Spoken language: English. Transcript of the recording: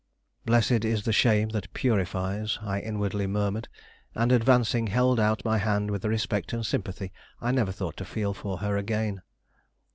"Blessed is the shame that purifies," I inwardly murmured, and advancing, held out my hand with a respect and sympathy I never thought to feel for her again.